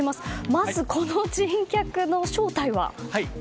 まず、この珍客の正体は？